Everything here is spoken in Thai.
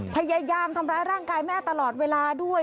พยายามทำร้ายร่างกายแม่ตลอดเวลาด้วย